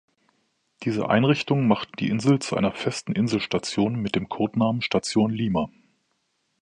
Diese Einrichtungen machten die Insel zu einer festen Insel-Station mit dem Codenamen Station Lima.